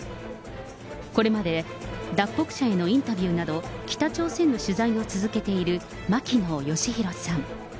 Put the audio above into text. これまで、脱北者へのインタビューなど、北朝鮮の取材を続けている牧野愛博さん。